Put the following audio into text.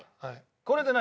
これで何？